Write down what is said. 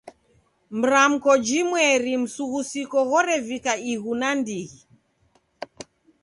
Mramko jimweri msughusiko ghorevika ighu nandighi.